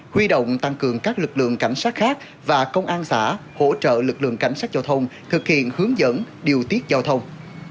huy động tăng cường các lực lượng cảnh sát khác và công an xã hỗ trợ lực lượng cảnh sát giao thông thực hiện hướng dẫn điều tiết giao thông